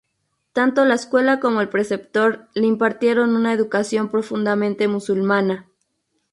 Tanto la escuela como el preceptor le impartieron una educación profundamente musulmana.